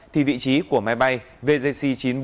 thì vị trí của máy bay vgc chín trăm bốn mươi ba